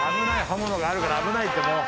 刃物があるから危ないってもう。